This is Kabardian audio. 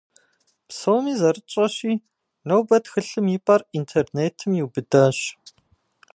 Псоми зэрытщӀэщи, нобэ тхылъым и пӀэр интернетым иубыдащ.